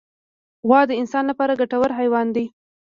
غوا د انسان لپاره ګټور حیوان دی.